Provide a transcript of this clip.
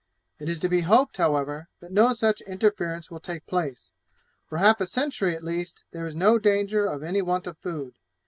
It is to be hoped, however, that no such interference will take place; for half a century, at least, there is no danger of any want of food.